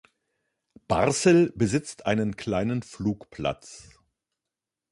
Barßel besitzt einen kleinen Flugplatz.